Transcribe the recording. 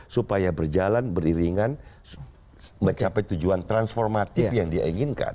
supaya berjalan beriringan mencapai tujuan transformatif yang dia inginkan